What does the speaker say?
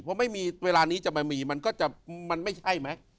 เพราะเวลานี้จะไม่มีมันไม่ใช่ไหม